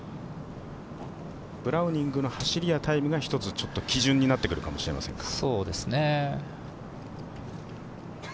ブラウニングの走りやタイムが一つ基準になってくるかもしれませんか。